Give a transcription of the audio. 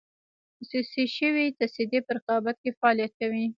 خصوصي شوې تصدۍ په رقابت کې فعالیت کوي.